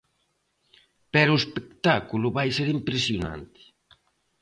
Pero o espectáculo vai ser impresionante.